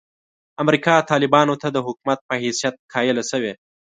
امریکا طالبانو ته د حکومت په حیثیت قایله شوې.